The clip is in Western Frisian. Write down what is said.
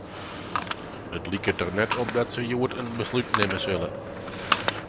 It liket der net op dat se hjoed in beslút nimme sille.